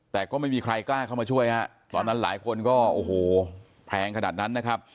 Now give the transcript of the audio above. แต่ก็ไม่มีใครกล้าเข้ามาช่วยฮะตอนนั้นหลายคนก็โอ้โหแพงขนาดนั้นนะครับ